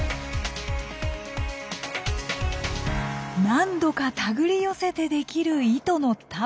何度か手繰り寄せて出来る糸の束。